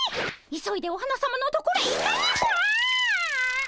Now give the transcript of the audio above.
急いでお花さまのところへ行かねばああ。